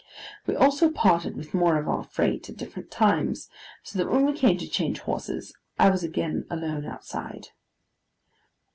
We also parted with more of our freight at different times, so that when we came to change horses, I was again alone outside.